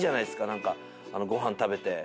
何かご飯食べて。